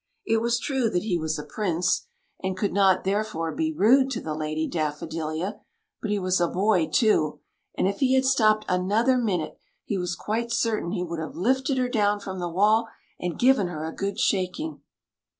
It was true that he was a prince, and could not therefore be rude to the Lady Daffodilia ; but he was a boy, too, and if he had stopped another minute he was quite certain he would have lifted her down from the wall and given her a good shaking.